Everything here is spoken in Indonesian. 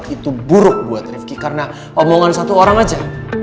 itu buruk buat rifki karena omongan satu orang saja